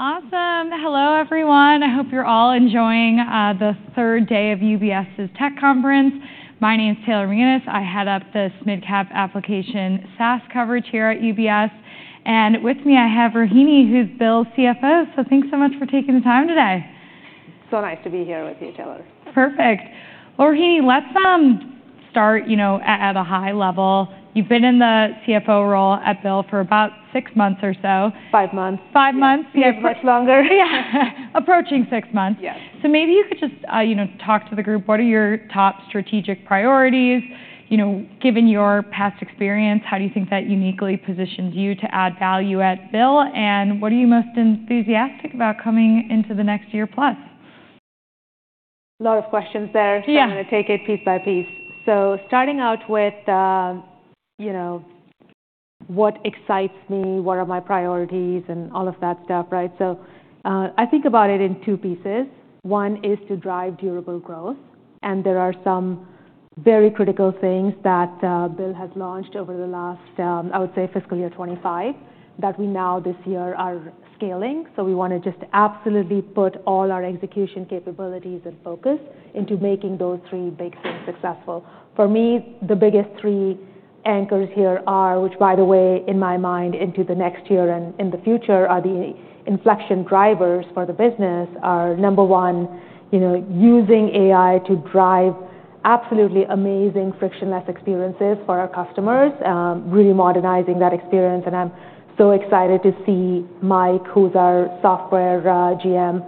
Awesome. Hello, everyone. I hope you're all enjoying the third day of UBS's Tech Conference. My name is Taylor Reunis. I head up the mid-cap application SaaS coverage here at UBS. And with me, I have Rohini, who's BILL's CFO. So thanks so much for taking the time today. So nice to be here with you, Taylor. Perfect. Well, Rohini, let's start at a high level. You've been in the CFO role at BILL for about six months or so. Five months. Five months. Yeah, much longer. Yeah, approaching six months. Yes. So maybe you could just talk to the group. What are your top strategic priorities? Given your past experience, how do you think that uniquely positions you to add value at BILL? And what are you most enthusiastic about coming into the next year plus? A lot of questions there. Yeah. So I'm going to take it piece by piece. So starting out with what excites me, what are my priorities, and all of that stuff, right? So I think about it in two pieces. One is to drive durable growth. And there are some very critical things that BILL has launched over the last, I would say, fiscal year 2025 that we now this year are scaling. So we want to just absolutely put all our execution capabilities and focus into making those three big things successful. For me, the biggest three anchors here are, which, by the way, in my mind, into the next year and in the future, are the inflection drivers for the business. Number one, using AI to drive absolutely amazing frictionless experiences for our customers, really modernizing that experience. And I'm so excited to see Mike, who's our Software GM,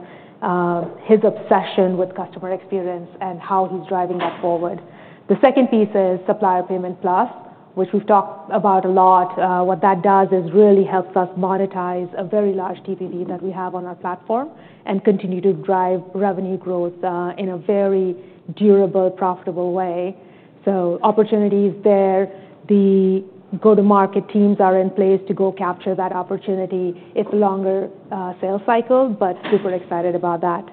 his obsession with customer experience and how he's driving that forward. The second piece is Supplier Payment Plus, which we've talked about a lot. What that does is really helps us monetize a very large TPV that we have on our platform and continue to drive revenue growth in a very durable, profitable way. So opportunities there. The go-to-market teams are in place to go capture that opportunity. It's a longer sales cycle, but super excited about that.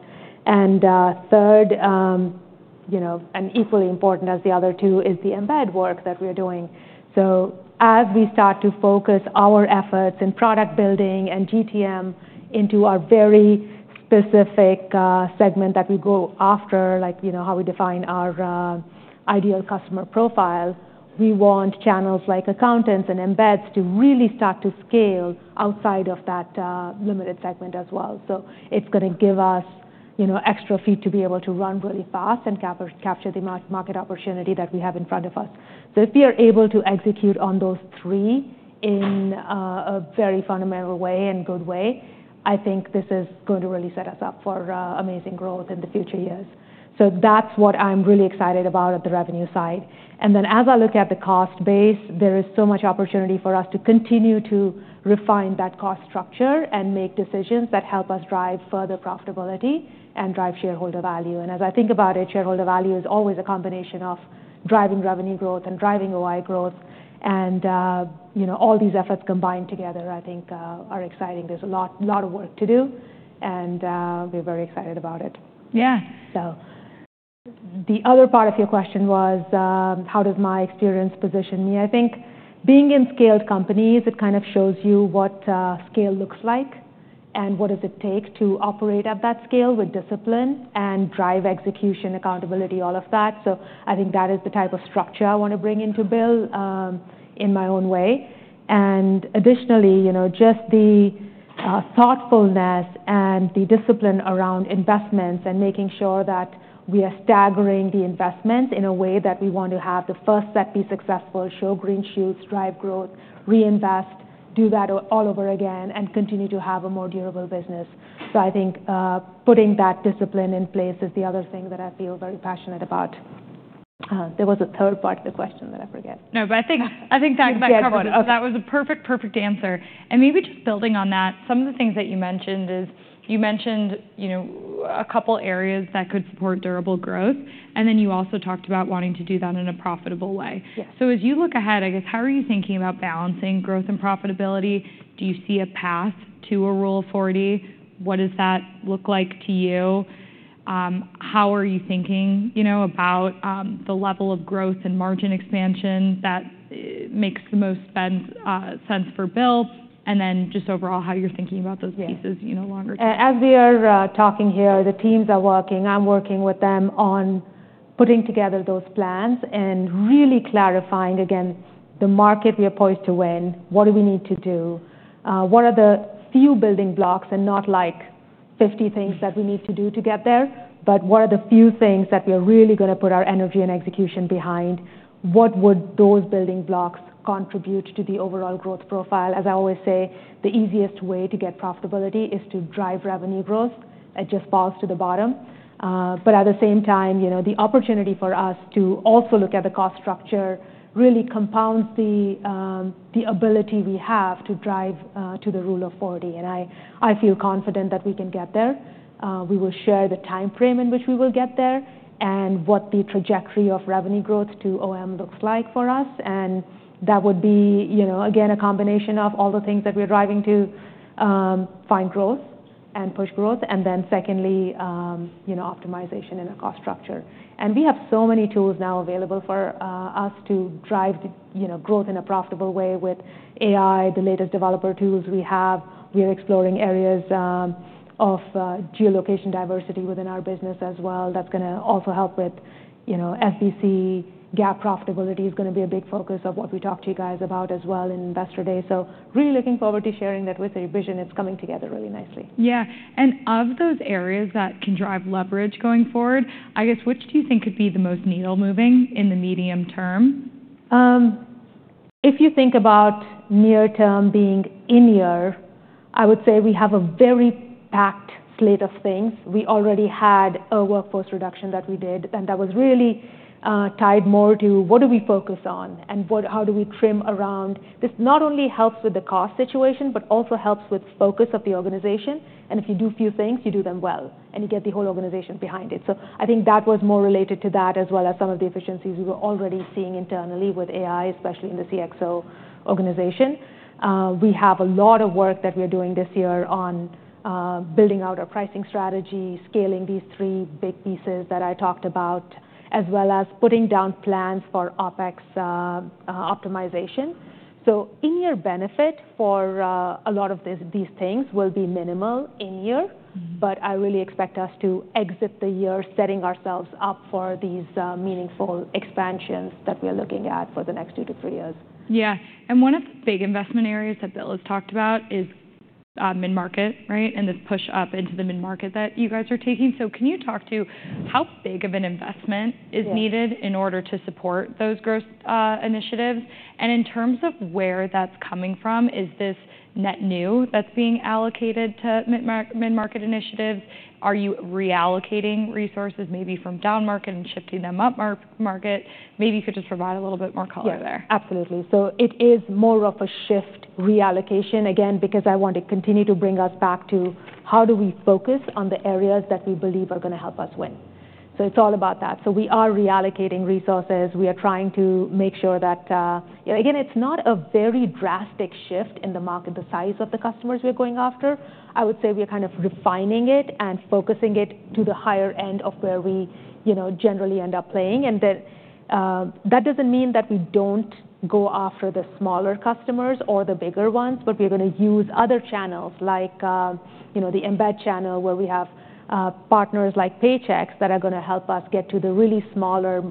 And third, and equally important as the other two, is the embed work that we are doing. So as we start to focus our efforts in product building and GTM into our very specific segment that we go after, like how we define our ideal customer profile, we want channels like accountants and embeds to really start to scale outside of that limited segment as well. So it's going to give us extra feet to be able to run really fast and capture the market opportunity that we have in front of us. So if we are able to execute on those three in a very fundamental way and good way, I think this is going to really set us up for amazing growth in the future years. So that's what I'm really excited about at the revenue side. Then as I look at the cost base, there is so much opportunity for us to continue to refine that cost structure and make decisions that help us drive further profitability and drive shareholder value. As I think about it, shareholder value is always a combination of driving revenue growth and driving OI growth. All these efforts combined together, I think, are exciting. There's a lot of work to do, and we're very excited about it. Yeah. So the other part of your question was, how does my experience position me? I think being in scaled companies, it kind of shows you what scale looks like and what does it take to operate at that scale with discipline and drive execution, accountability, all of that. So I think that is the type of structure I want to bring into BILL in my own way. And additionally, just the thoughtfulness and the discipline around investments and making sure that we are staggering the investments in a way that we want to have the first set be successful, show green shoots, drive growth, reinvest, do that all over again, and continue to have a more durable business. So I think putting that discipline in place is the other thing that I feel very passionate about. There was a third part of the question that I forget. No, but I think that was a perfect, perfect answer, and maybe just building on that, some of the things that you mentioned is you mentioned a couple of areas that could support durable growth, and then you also talked about wanting to do that in a profitable way. Yes. So as you look ahead, I guess, how are you thinking about balancing growth and profitability? Do you see a path to a Rule 40? What does that look like to you? How are you thinking about the level of growth and margin expansion that makes the most sense for Bill? And then just overall, how you're thinking about those pieces longer term? As we are talking here, the teams are working. I'm working with them on putting together those plans and really clarifying, again, the market we are poised to win, what do we need to do? What are the few building blocks and not like 50 things that we need to do to get there, but what are the few things that we are really going to put our energy and execution behind? What would those building blocks contribute to the overall growth profile? As I always say, the easiest way to get profitability is to drive revenue growth. It just falls to the bottom. But at the same time, the opportunity for us to also look at the cost structure really compounds the ability we have to drive to the Rule of 40, and I feel confident that we can get there. We will share the time frame in which we will get there and what the trajectory of revenue growth to OM looks like for us. And that would be, again, a combination of all the things that we're driving to find growth and push growth. And then secondly, optimization in a cost structure. And we have so many tools now available for us to drive growth in a profitable way with AI, the latest developer tools we have. We are exploring areas of geolocation diversity within our business as well. That's going to also help with FBC. GAAP profitability is going to be a big focus of what we talked to you guys about as well in investor day. So really looking forward to sharing that with you. Vision, it's coming together really nicely. Yeah. And of those areas that can drive leverage going forward, I guess, which do you think could be the most needle moving in the medium term? If you think about near-term being this year, I would say we have a very packed slate of things. We already had a workforce reduction that we did, and that was really tied more to what do we focus on and how do we trim around. This not only helps with the cost situation, but also helps with focus of the organization, and if you do a few things, you do them well, and you get the whole organization behind it, so I think that was more related to that as well as some of the efficiencies we were already seeing internally with AI, especially in the CXO organization. We have a lot of work that we are doing this year on building out our pricing strategy, scaling these three big pieces that I talked about, as well as putting down plans for OpEx optimization. So in-year benefit for a lot of these things will be minimal in year, but I really expect us to exit the year setting ourselves up for these meaningful expansions that we are looking at for the next two to three years. Yeah. And one of the big investment areas that BILL has talked about is mid-market, right, and this push up into the mid-market that you guys are taking. So can you talk to how big of an investment is needed in order to support those growth initiatives? And in terms of where that's coming from, is this net new that's being allocated to mid-market initiatives? Are you reallocating resources maybe from down market and shifting them up market? Maybe you could just provide a little bit more color there. Yeah, absolutely. So it is more of a shift reallocation, again, because I want to continue to bring us back to how do we focus on the areas that we believe are going to help us win. So it's all about that. So we are reallocating resources. We are trying to make sure that, again, it's not a very drastic shift in the market, the size of the customers we're going after. I would say we are kind of refining it and focusing it to the higher end of where we generally end up playing. And that doesn't mean that we don't go after the smaller customers or the bigger ones, but we are going to use other channels like the embed channel where we have partners like Paychex that are going to help us get to the really smaller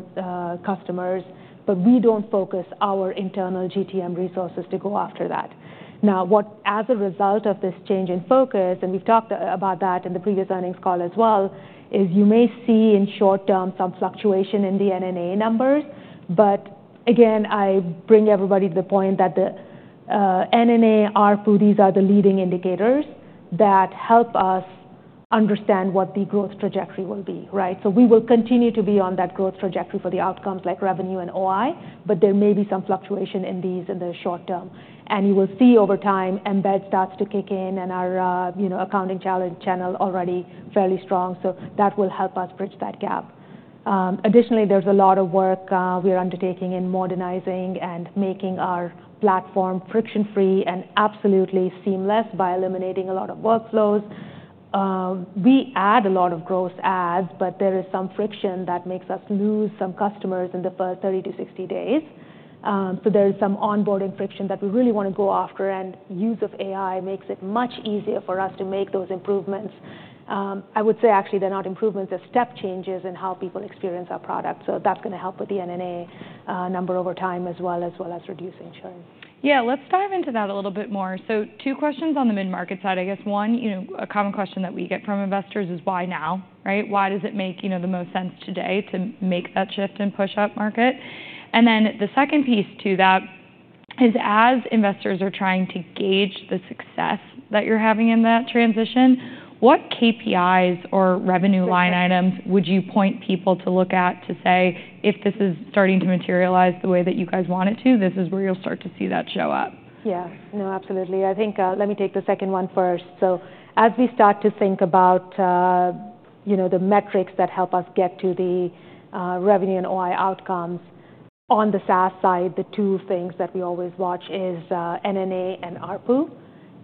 customers. But we don't focus our internal GTM resources to go after that. Now, as a result of this change in focus, and we've talked about that in the previous earnings call as well, is you may see in short term some fluctuation in the NNA numbers. But again, I bring everybody to the point that the NNA, our NNAs are the leading indicators that help us understand what the growth trajectory will be, right? So we will continue to be on that growth trajectory for the outcomes like revenue and OI, but there may be some fluctuation in these in the short term, and you will see over time embed starts to kick in and our accounting channel already fairly strong, so that will help us bridge that gap. Additionally, there's a lot of work we are undertaking in modernizing and making our platform friction-free and absolutely seamless by eliminating a lot of workflows. We add a lot of gross adds, but there is some friction that makes us lose some customers in the first 30-60 days. So there is some onboarding friction that we really want to go after, and use of AI makes it much easier for us to make those improvements. I would say actually they're not improvements, they're step changes in how people experience our product. So that's going to help with the NNA number over time as well as reducing churn. Yeah, let's dive into that a little bit more. So two questions on the mid-market side, I guess. One, a common question that we get from investors is why now, right? Why does it make the most sense today to make that shift and push up market? And then the second piece to that is as investors are trying to gauge the success that you're having in that transition, what KPIs or revenue line items would you point people to look at to say, if this is starting to materialize the way that you guys want it to, this is where you'll start to see that show up? Yeah, no, absolutely. I think let me take the second one first. So as we start to think about the metrics that help us get to the revenue and OI outcomes on the SaaS side, the two things that we always watch is NNA and ARPU.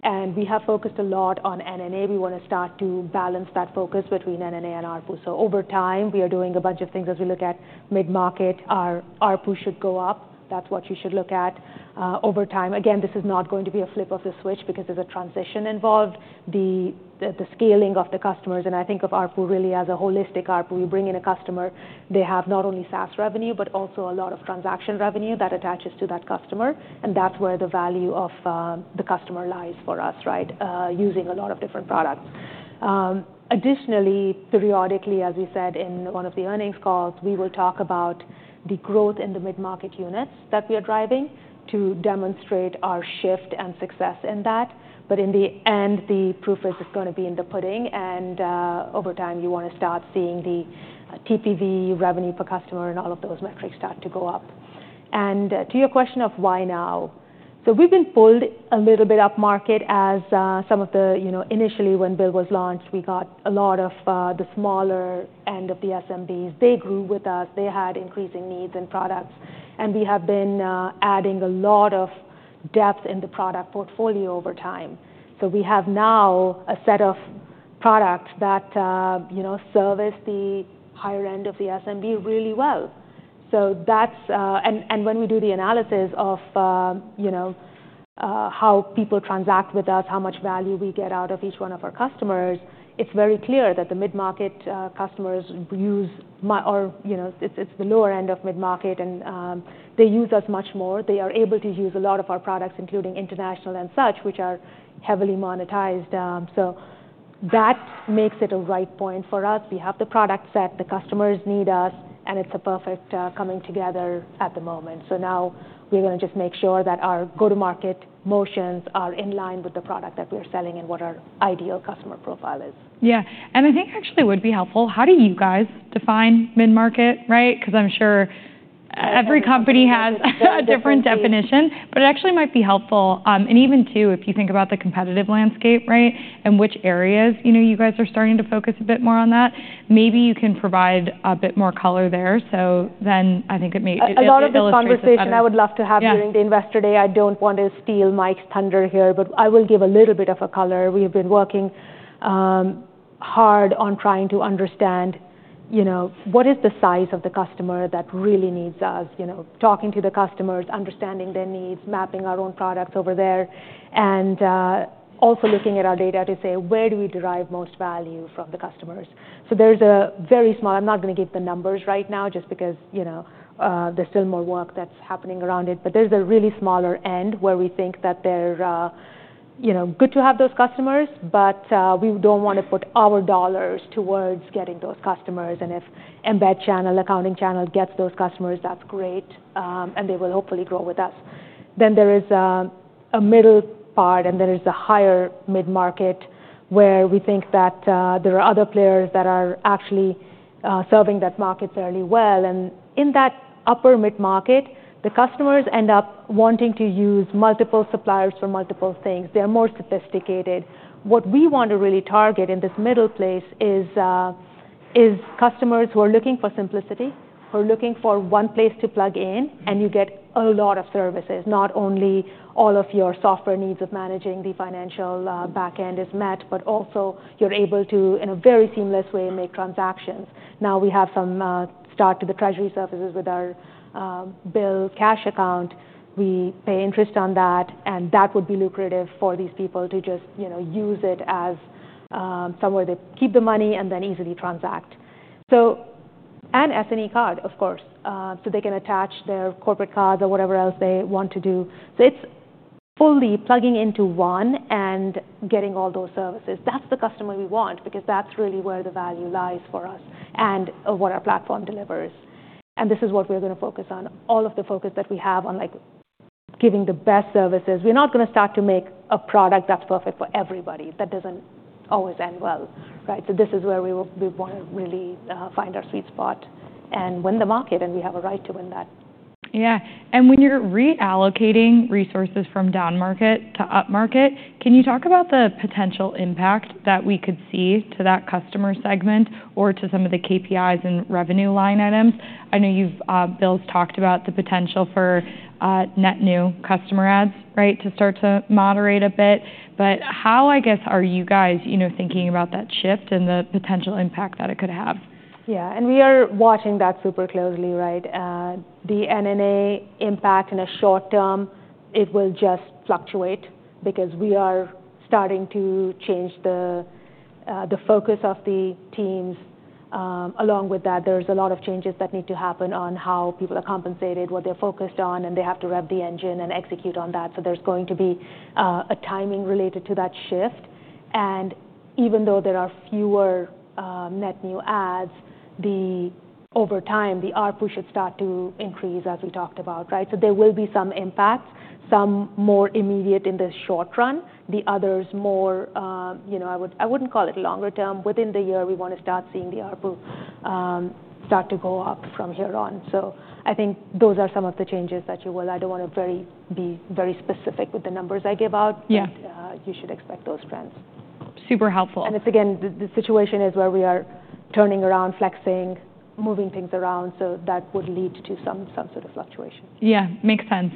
And we have focused a lot on NNA. We want to start to balance that focus between NNA and ARPU. So over time, we are doing a bunch of things as we look at mid-market. Our ARPU should go up. That's what you should look at over time. Again, this is not going to be a flip of the switch because there's a transition involved, the scaling of the customers. And I think of ARPU really as a holistic ARPU. You bring in a customer, they have not only SaaS revenue, but also a lot of transaction revenue that attaches to that customer. And that's where the value of the customer lies for us, right, using a lot of different products. Additionally, periodically, as we said in one of the earnings calls, we will talk about the growth in the mid-market units that we are driving to demonstrate our shift and success in that. But in the end, the proof is it's going to be in the pudding. And over time, you want to start seeing the TPV, revenue per customer, and all of those metrics start to go up. And to your question of why now, so we've been pulled a little bit up market as some of the initially when BILL was launched, we got a lot of the smaller end of the SMBs. They grew with us. They had increasing needs and products. And we have been adding a lot of depth in the product portfolio over time. So we have now a set of products that service the higher end of the SMB really well. So that's, and when we do the analysis of how people transact with us, how much value we get out of each one of our customers, it's very clear that the mid-market customers use, or it's the lower end of mid-market, and they use us much more. They are able to use a lot of our products, including international and such, which are heavily monetized. So that makes it a right point for us. We have the product set, the customers need us, and it's a perfect coming together at the moment. So now we're going to just make sure that our go-to-market motions are in line with the product that we are selling and what our ideal customer profile is. Yeah. And I think actually it would be helpful, how do you guys define mid-market, right? Because I'm sure every company has a different definition, but it actually might be helpful. And even too, if you think about the competitive landscape, right, and which areas you guys are starting to focus a bit more on that, maybe you can provide a bit more color there. So then I think it may. A lot of this conversation I would love to have during the investor day. I don't want to steal Mike's thunder here, but I will give a little bit of a color. We have been working hard on trying to understand what is the size of the customer that really needs us, talking to the customers, understanding their needs, mapping our own products over there, and also looking at our data to say, where do we derive most value from the customers? So there's a very small, I'm not going to give the numbers right now just because there's still more work that's happening around it, but there's a really smaller end where we think that they're good to have those customers, but we don't want to put our dollars towards getting those customers. If embed channel, accounting channel gets those customers, that's great, and they will hopefully grow with us. There is a middle part, and there is a higher mid-market where we think that there are other players that are actually serving that market fairly well. In that upper mid-market, the customers end up wanting to use multiple suppliers for multiple things. They are more sophisticated. What we want to really target in this middle place is customers who are looking for simplicity, who are looking for one place to plug in, and you get a lot of services, not only all of your software needs of managing the financial backend is met, but also you're able to, in a very seamless way, make transactions. Now we have some start to the treasury services with our BILL Cash Account. We pay interest on that, and that would be lucrative for these people to just use it as somewhere they keep the money and then easily transact, so, and SNE card, of course, so they can attach their corporate cards or whatever else they want to do, so it's fully plugging into one and getting all those services. That's the customer we want because that's really where the value lies for us and what our platform delivers, and this is what we're going to focus on, all of the focus that we have on giving the best services. We're not going to start to make a product that's perfect for everybody. That doesn't always end well, right, so this is where we want to really find our sweet spot and win the market, and we have a right to win that. Yeah, and when you're reallocating resources from down market to up market, can you talk about the potential impact that we could see to that customer segment or to some of the KPIs and revenue line items? I know Bill's talked about the potential for net new customer adds, right, to start to moderate a bit, but how, I guess, are you guys thinking about that shift and the potential impact that it could have? Yeah. And we are watching that super closely, right? The NNA impact in a short term, it will just fluctuate because we are starting to change the focus of the teams. Along with that, there's a lot of changes that need to happen on how people are compensated, what they're focused on, and they have to rev the engine and execute on that. So there's going to be a timing related to that shift. And even though there are fewer net new adds, over time, the ARPU should start to increase as we talked about, right? So there will be some impacts, some more immediate in the short run, the others more. I wouldn't call it longer term. Within the year, we want to start seeing the ARPU start to go up from here on. I think those are some of the changes that you will. I don't want to be very specific with the numbers I give out, but you should expect those trends. Super helpful. It's, again, the situation is where we are turning around, flexing, moving things around. That would lead to some sort of fluctuation. Yeah, makes sense.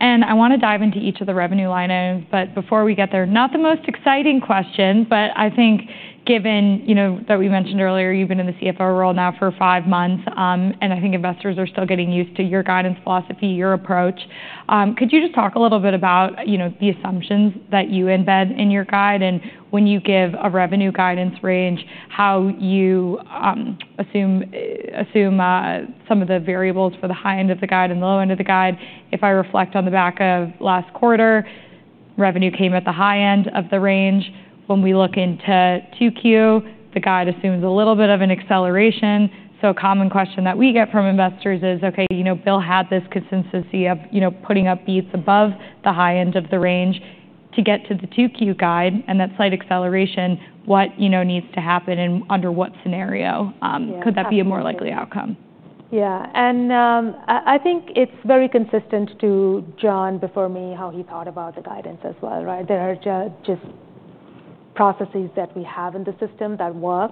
And I want to dive into each of the revenue line items, but before we get there, not the most exciting question, but I think given that we mentioned earlier, you've been in the CFO role now for five months, and I think investors are still getting used to your guidance philosophy, your approach. Could you just talk a little bit about the assumptions that you embed in your guide and when you give a revenue guidance range, how you assume some of the variables for the high end of the guide and the low end of the guide? If I reflect on the back of last quarter, revenue came at the high end of the range. When we look into 2Q, the guide assumes a little bit of an acceleration. A common question that we get from investors is, okay, BILL had this consistency of putting up beats above the high end of the range to get to the 2Q guide and that slight acceleration. What needs to happen and under what scenario? Could that be a more likely outcome? Yeah, and I think it's very consistent to John before me, how he thought about the guidance as well, right? There are just processes that we have in the system that work.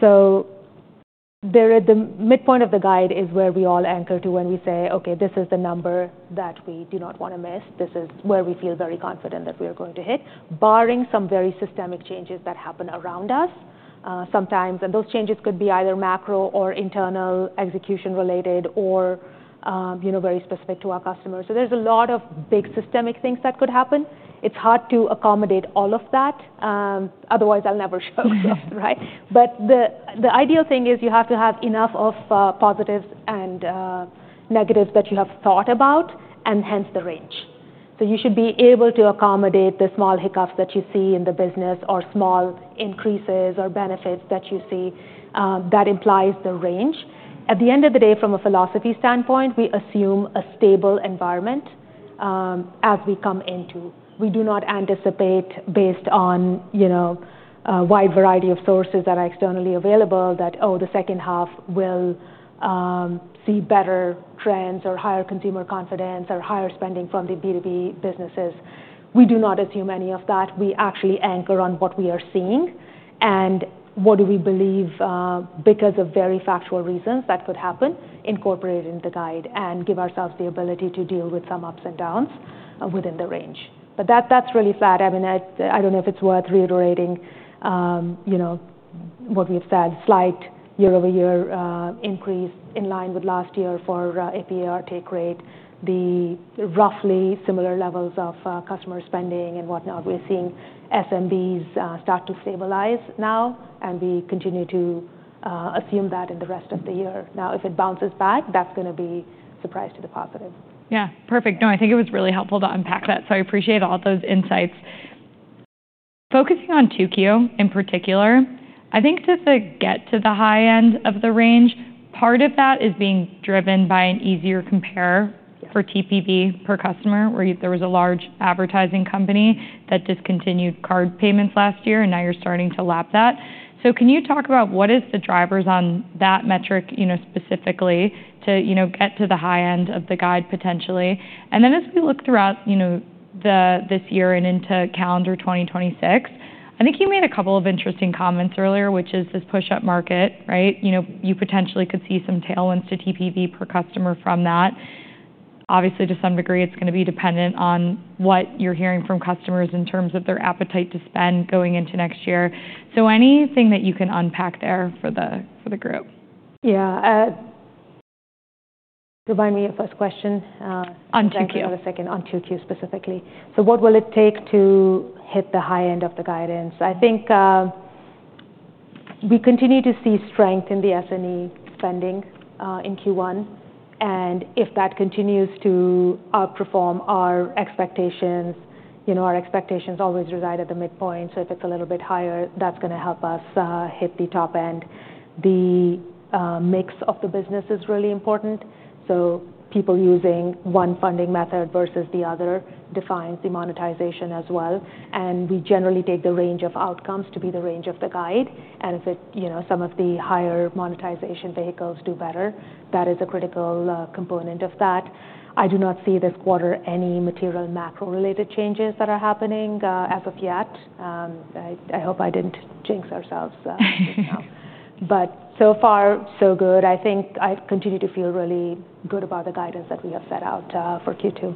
So the midpoint of the guide is where we all anchor to when we say, okay, this is the number that we do not want to miss. This is where we feel very confident that we are going to hit, barring some very systemic changes that happen around us sometimes. And those changes could be either macro or internal execution related or very specific to our customers. So there's a lot of big systemic things that could happen. It's hard to accommodate all of that. Otherwise, I'll never show up, right? But the ideal thing is you have to have enough of positives and negatives that you have thought about and hence the range. So you should be able to accommodate the small hiccups that you see in the business or small increases or benefits that you see that implies the range. At the end of the day, from a philosophy standpoint, we assume a stable environment as we come into. We do not anticipate based on a wide variety of sources that are externally available that, oh, the second half will see better trends or higher consumer confidence or higher spending from the B2B businesses. We do not assume any of that. We actually anchor on what we are seeing and what do we believe because of very factual reasons that could happen incorporated in the guide and give ourselves the ability to deal with some ups and downs within the range. But that's really flat. I mean, I don't know if it's worth reiterating what we've said, slight year-over-year increase in line with last year for AP/AR take rate, the roughly similar levels of customer spending and whatnot. We're seeing SMBs start to stabilize now, and we continue to assume that in the rest of the year. Now, if it bounces back, that's going to be a surprise to the positive. Yeah, perfect. No, I think it was really helpful to unpack that. So I appreciate all those insights. Focusing on 2Q in particular, I think to get to the high end of the range, part of that is being driven by an easier compare for TPV per customer where there was a large advertising company that discontinued card payments last year, and now you're starting to lap that. So can you talk about what is the drivers on that metric specifically to get to the high end of the guide potentially? And then as we look throughout this year and into calendar 2026, I think you made a couple of interesting comments earlier, which is this push-up market, right? You potentially could see some tailwinds to TPV per customer from that. Obviously, to some degree, it's going to be dependent on what you're hearing from customers in terms of their appetite to spend going into next year. So anything that you can unpack there for the group? Yeah. Remind me of a question. On 2Q. I'm sorry. Hold on a second. On 2Q specifically. So what will it take to hit the high end of the guidance? I think we continue to see strength in the SNE spending in Q1, and if that continues to outperform our expectations, our expectations always reside at the midpoint. So if it's a little bit higher, that's going to help us hit the top end. The mix of the business is really important. So people using one funding method versus the other defines the monetization as well. And we generally take the range of outcomes to be the range of the guide. And if some of the higher monetization vehicles do better, that is a critical component of that. I do not see, this quarter, any material macro-related changes that are happening as of yet. I hope I didn't jinx ourselves. But so far, so good. I think I continue to feel really good about the guidance that we have set out for Q2.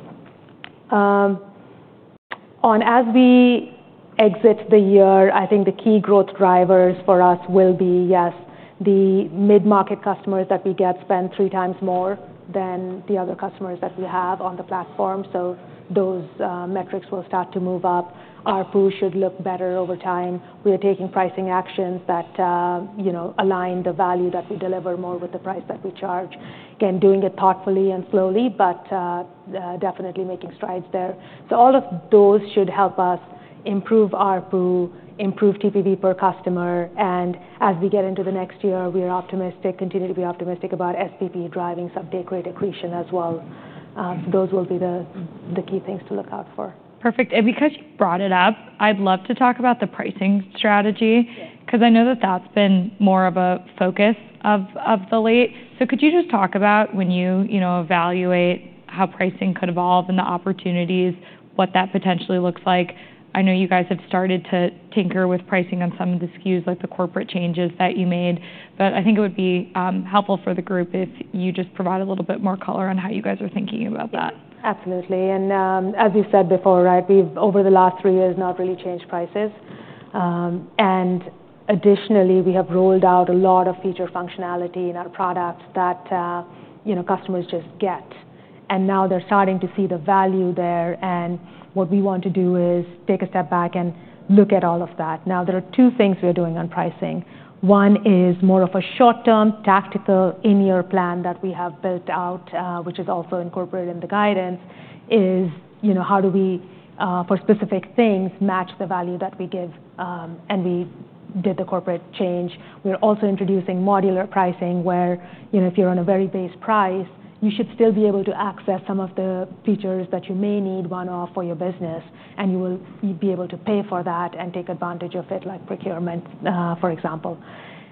As we exit the year, I think the key growth drivers for us will be, yes, the mid-market customers that we get spend three times more than the other customers that we have on the platform. So those metrics will start to move up. Our pool should look better over time. We are taking pricing actions that align the value that we deliver more with the price that we charge. Again, doing it thoughtfully and slowly, but definitely making strides there. So all of those should help us improve our pool, improve TPV per customer. And as we get into the next year, we are optimistic, continue to be optimistic about SPP driving some accretion as well. So those will be the key things to look out for. Perfect. Because you brought it up, I'd love to talk about the pricing strategy because I know that that's been more of a focus of late. So could you just talk about when you evaluate how pricing could evolve and the opportunities, what that potentially looks like? I know you guys have started to tinker with pricing on some of the SKUs, like the corporate changes that you made, but I think it would be helpful for the group if you just provide a little bit more color on how you guys are thinking about that. Absolutely. And as you said before, right, we've over the last three years not really changed prices. And additionally, we have rolled out a lot of feature functionality in our product that customers just get. And now they're starting to see the value there. And what we want to do is take a step back and look at all of that. Now, there are two things we're doing on pricing. One is more of a short-term tactical in-year plan that we have built out, which is also incorporated in the guidance, is how do we, for specific things, match the value that we give? And we did the corporate change. We're also introducing modular pricing where if you're on a very base price, you should still be able to access some of the features that you may need one-off for your business, and you will be able to pay for that and take advantage of it, like procurement, for example.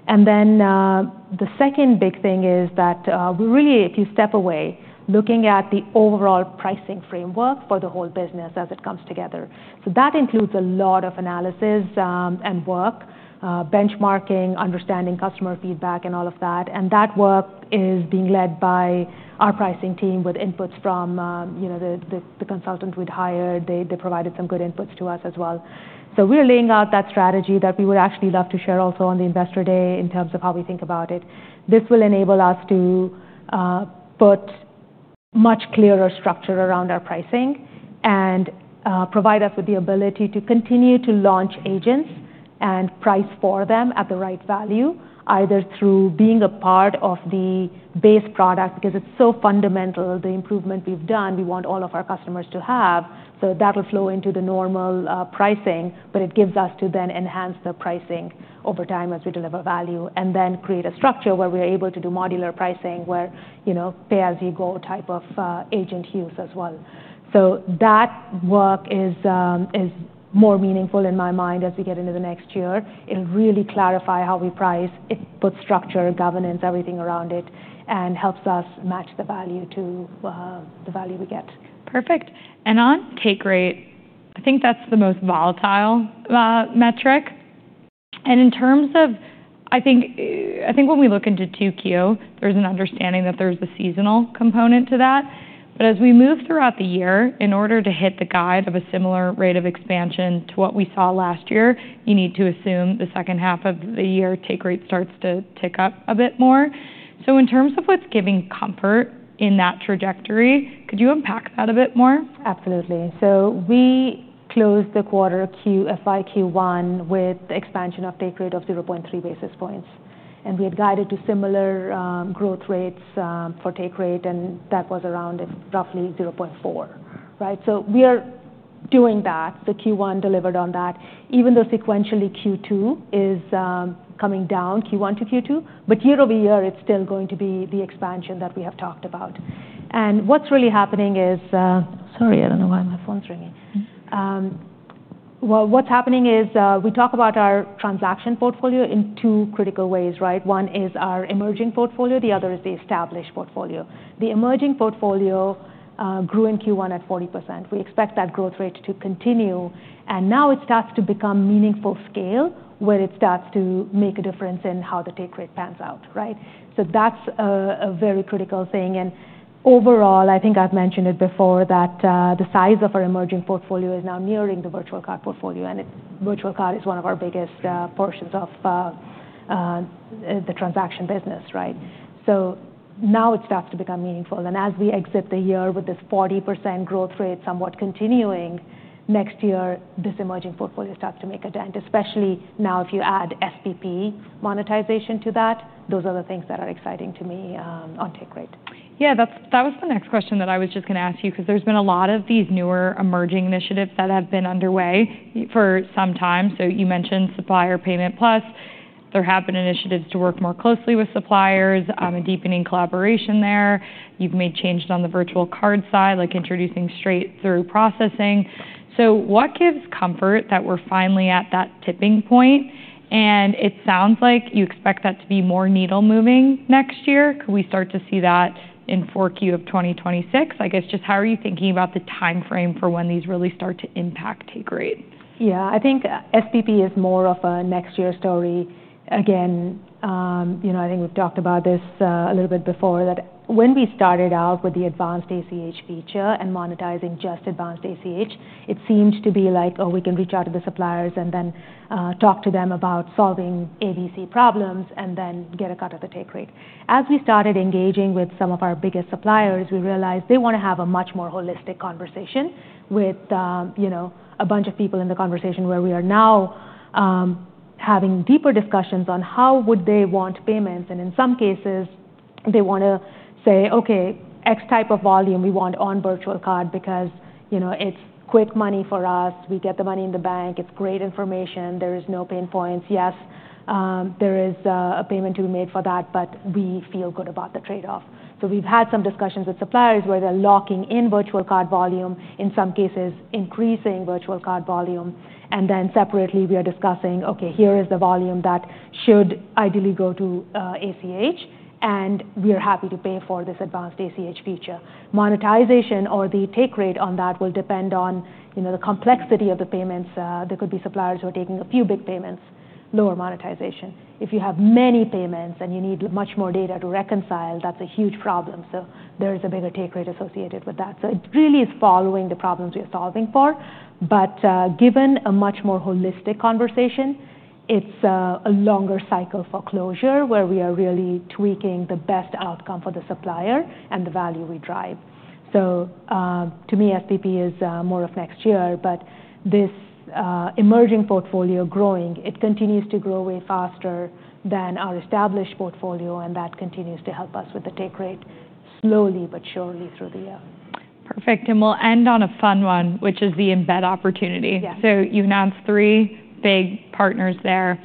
And then the second big thing is that we're really, if you step away, looking at the overall pricing framework for the whole business as it comes together. So that includes a lot of analysis and work, benchmarking, understanding customer feedback, and all of that. And that work is being led by our pricing team with inputs from the consultant we'd hired. They provided some good inputs to us as well. So we're laying out that strategy that we would actually love to share also on the investor day in terms of how we think about it. This will enable us to put much clearer structure around our pricing and provide us with the ability to continue to launch agents and price for them at the right value, either through being a part of the base product because it's so fundamental, the improvement we've done, we want all of our customers to have. So that'll flow into the normal pricing, but it gives us to then enhance the pricing over time as we deliver value and then create a structure where we are able to do modular pricing where pay-as-you-go type of agent use as well. So that work is more meaningful in my mind as we get into the next year. It'll really clarify how we price. It puts structure, governance, everything around it, and helps us match the value to the value we get. Perfect. And on take rate, I think that's the most volatile metric. And in terms of, I think when we look into 2Q, there's an understanding that there's a seasonal component to that. But as we move throughout the year, in order to hit the guide of a similar rate of expansion to what we saw last year, you need to assume the second half of the year take rate starts to tick up a bit more. So in terms of what's giving comfort in that trajectory, could you unpack that a bit more? Absolutely. So we closed the quarter FY Q1 with the expansion of take rate of 0.3 basis points. And we had guided to similar growth rates for take rate, and that was around roughly 0.4, right? So we are doing that. So Q1 delivered on that. Even though sequentially Q2 is coming down, Q1 to Q2, but year over year, it's still going to be the expansion that we have talked about. And what's really happening is, sorry, I don't know why my phone's ringing. What's happening is we talk about our transaction portfolio in two critical ways, right? One is our emerging portfolio. The other is the established portfolio. The emerging portfolio grew in Q1 at 40%. We expect that growth rate to continue. And now it starts to become meaningful scale where it starts to make a difference in how the take rate pans out, right? That's a very critical thing. Overall, I think I've mentioned it before that the size of our emerging portfolio is now nearing the virtual card portfolio. Virtual card is one of our biggest portions of the transaction business, right? Now it starts to become meaningful. As we exit the year with this 40% growth rate somewhat continuing next year, this emerging portfolio starts to make a dent. Especially now if you add SPP monetization to that, those are the things that are exciting to me on take rate. Yeah, that was the next question that I was just going to ask you because there's been a lot of these newer emerging initiatives that have been underway for some time. So you mentioned Supplier Payment Plus. There have been initiatives to work more closely with suppliers, a deepening collaboration there. You've made changes on the virtual card side, like introducing straight-through processing. So what gives comfort that we're finally at that tipping point? And it sounds like you expect that to be more needle-moving next year. Could we start to see that in 4Q of 2026? I guess just how are you thinking about the timeframe for when these really start to impact take rate? Yeah, I think SPP is more of a next year story. Again, I think we've talked about this a little bit before that when we started out with the advanced ACH feature and monetizing just advanced ACH, it seemed to be like, oh, we can reach out to the suppliers and then talk to them about solving AP problems and then get a cut of the take rate. As we started engaging with some of our biggest suppliers, we realized they want to have a much more holistic conversation with a bunch of people in the conversation where we are now having deeper discussions on how would they want payments, and in some cases, they want to say, okay, X type of volume we want on virtual card because it's quick money for us. We get the money in the bank. It's great information. There is no pain points. Yes, there is a payment to be made for that, but we feel good about the trade-off. We've had some discussions with suppliers where they're locking in virtual card volume, in some cases increasing virtual card volume. Then separately, we are discussing, okay, here is the volume that should ideally go to ACH, and we are happy to pay for this advanced ACH feature. Monetization or the take rate on that will depend on the complexity of the payments. There could be suppliers who are taking a few big payments, lower monetization. If you have many payments and you need much more data to reconcile, that's a huge problem. There is a bigger take rate associated with that. It really is following the problems we are solving for. But given a much more holistic conversation, it's a longer cycle for closure where we are really tweaking the best outcome for the supplier and the value we drive. So to me, SPP is more of next year, but this emerging portfolio growing, it continues to grow way faster than our established portfolio, and that continues to help us with the take rate slowly but surely through the year. Perfect. And we'll end on a fun one, which is the embed opportunity. So you announced three big partners there.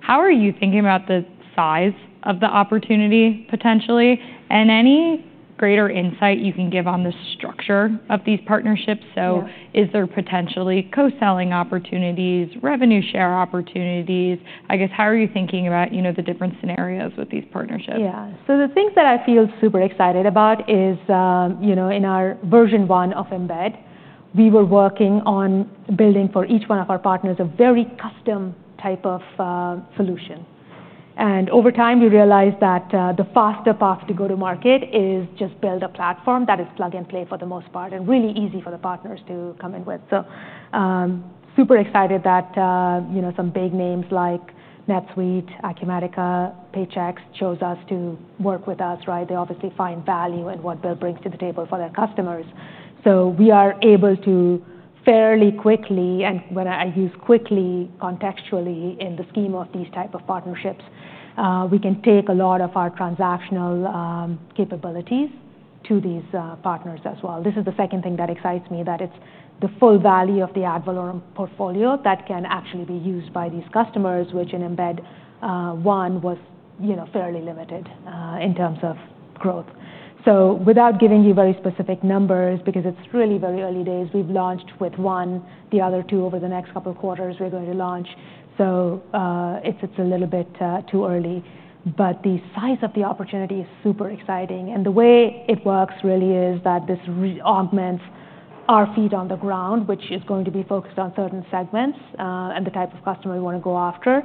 How are you thinking about the size of the opportunity potentially and any greater insight you can give on the structure of these partnerships? So is there potentially co-selling opportunities, revenue share opportunities? I guess how are you thinking about the different scenarios with these partnerships? Yeah. So the things that I feel super excited about is in our version one of embed, we were working on building for each one of our partners a very custom type of solution. And over time, we realized that the faster path to go to market is just build a platform that is plug and play for the most part and really easy for the partners to come in with. So super excited that some big names like NetSuite, Acumatica, Paychex chose us to work with us, right? They obviously find value in what BILL brings to the table for their customers. So we are able to fairly quickly, and when I use quickly contextually in the scheme of these type of partnerships, we can take a lot of our transactional capabilities to these partners as well. This is the second thing that excites me that it's the full value of the Ad Valorem portfolio that can actually be used by these customers, which in embed one was fairly limited in terms of growth. So without giving you very specific numbers because it's really very early days, we've launched with one, the other two over the next couple of quarters we're going to launch. So it's a little bit too early, but the size of the opportunity is super exciting. And the way it works really is that this augments our feet on the ground, which is going to be focused on certain segments and the type of customer we want to go after.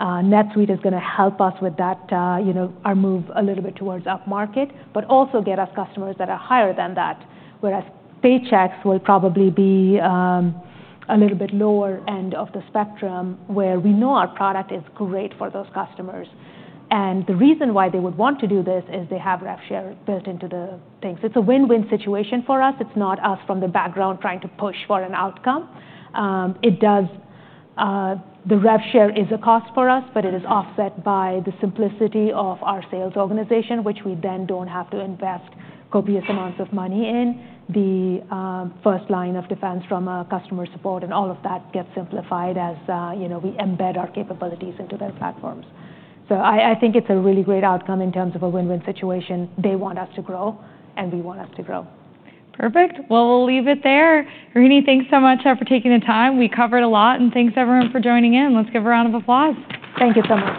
NetSuite is going to help us with that, our move a little bit towards up market, but also get us customers that are higher than that, whereas Paychex will probably be a little bit lower end of the spectrum where we know our product is great for those customers. And the reason why they would want to do this is they have rev share built into the things. It's a win-win situation for us. It's not us from the background trying to push for an outcome. The rev share is a cost for us, but it is offset by the simplicity of our sales organization, which we then don't have to invest copious amounts of money in. The first line of defense from customer support and all of that gets simplified as we embed our capabilities into their platforms. So I think it's a really great outcome in terms of a win-win situation. They want us to grow and we want us to grow. Perfect. Well, we'll leave it there. Rohini, thanks so much for taking the time. We covered a lot, and thanks everyone for joining in. Let's give a round of applause. Thank you so much.